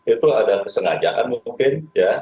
itu ada kesengajaan mungkin